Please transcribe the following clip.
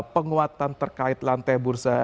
penguatan terkait lantai bursa